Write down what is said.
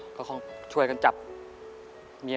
สวัสดีครับน้องเล่จากจังหวัดพิจิตรครับ